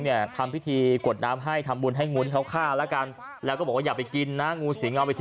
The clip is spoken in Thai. เนี่ยทำพิธีกดน้ำให้ทำบุญให้มูลช่องท่าละกันแล้วก็บอกว่าอย่าไปกินน่ะ